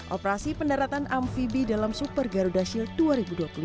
operasi pendaratan amfibi dalam super garuda shield dua ribu dua puluh dua